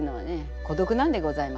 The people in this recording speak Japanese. こどくなんでございます。